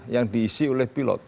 yang diisi oleh pilot